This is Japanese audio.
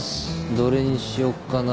どれにしよっかな。